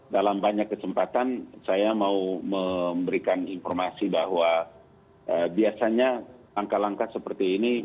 dalam banyak kesempatan saya mau memberikan informasi bahwa biasanya langkah langkah seperti ini